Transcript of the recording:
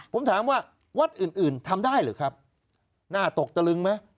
ผมถามว่าวัดอื่นอื่นทำได้หรือครับหน้าตกตะลึงไหม